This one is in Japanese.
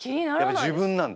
自分なんだ？